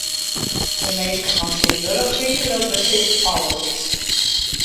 De minsken fan tsjintwurdich tinke dat besit alles is.